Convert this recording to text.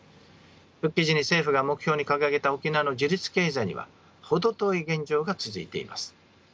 復帰時に政府が目標に掲げた沖縄の自立経済には程遠い現状が続いています。